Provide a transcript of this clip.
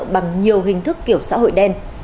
bằng nhiều hình thức kiểu xã hội đen